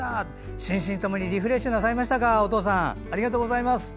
心身ともにリフレッシュなさいましたかお父さん、ありがとうございます。